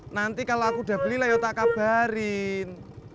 nanti kalau aku beli tak kabarin